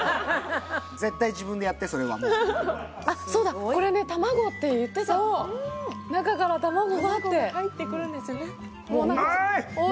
絶対自分でやってそれはそうだこれね卵って言ってた「中から卵が」って卵が入ってくるんですよねうまい！